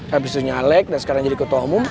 habis itu nyalek dan sekarang jadi ketua umum